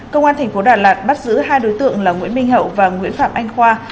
công an thành phố đà lạt bắt giữ hai đối tượng là nguyễn minh hậu và nguyễn phạm anh khoa